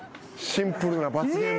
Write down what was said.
シンプルな罰ゲーム。